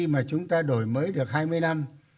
mà chúng ta đổi mới được hai mươi năm